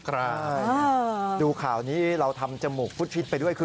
ใช่ดูขาวนี้เราทำจมูกพุทธฤทธิ์ไปด้วย